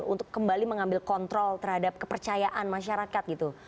untuk kembali mengambil kontrol terhadap kepercayaan masyarakat gitu